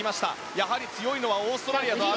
やはり強いのはオーストラリア。